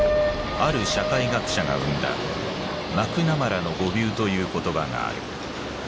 ある社会学者が生んだ「マクナマラの誤謬」という言葉がある。